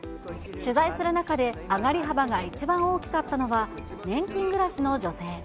取材する中で上がり幅が一番大きかったのは、年金暮らしの女性。